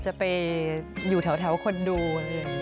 จะไปอยู่แถวคนดู